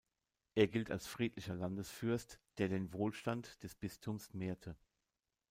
Er gilt als friedlicher Landesfürst, der den Wohlstand des Bistums mehrte.